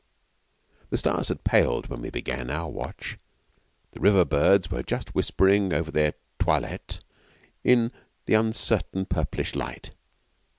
The stars had paled when we began our watch; the river birds were just whispering over their toilettes in the uncertain purplish light.